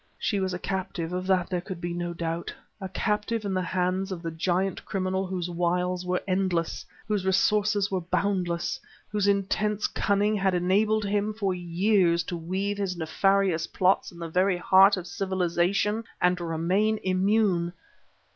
She was a captive; of that there could be no doubt, a captive in the hands of the giant criminal whose wiles were endless, whose resources were boundless, whose intense cunning had enabled him, for years, to weave his nefarious plots in the very heart of civilization, and remain immune.